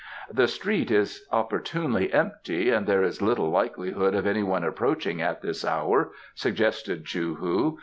"The street is opportunely empty and there is little likelihood of anyone approaching at this hour," suggested Chou hu.